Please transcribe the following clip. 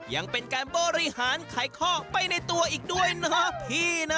ยังเป็นการบริหารไขข้อไปในตัวอีกด้วยนะพี่นะ